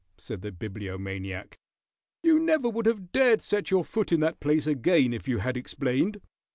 said the Bibliomaniac. "You never would have dared set your foot in that place again if you had explained.